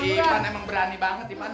iban emang berani banget iban